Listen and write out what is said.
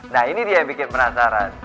nah ini dia yang bikin penasaran